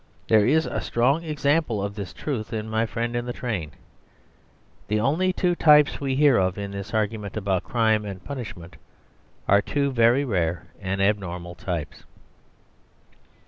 There is a strong example of this truth in my friend in the train. The only two types we hear of in this argument about crime and punishment are two very rare and abnormal types.